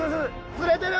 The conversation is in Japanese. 釣れてる！